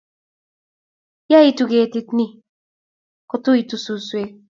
Yaetu ketit ni, kotuitu suswek.